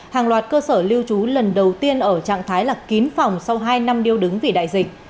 hàng loạt cơ sở lưu trú lần đầu tiên ở trạng thái là kín phòng sau hai năm điêu đứng vì đại dịch